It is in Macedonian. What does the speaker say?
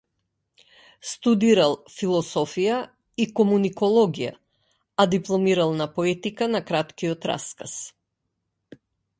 Студирал философија и комуникологија, а дипломирал на поетика на краткиот раказ.